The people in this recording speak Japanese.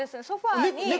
ソファに。